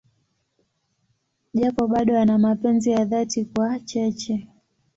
Japo bado ana mapenzi ya dhati kwa Cheche.